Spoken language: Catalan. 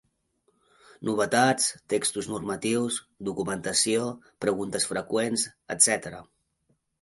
Novetats, textos normatius, documentació, preguntes freqüents, etcètera.